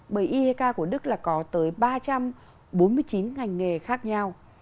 bởi iek của đức là có tới ba trăm bốn mươi chín ngành nghề khác nhau